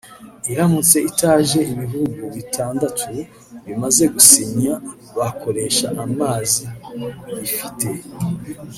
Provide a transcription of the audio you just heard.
“Iramutse itaje ibihugu bitandatu bimaze gusinya bakoresha amazi bifite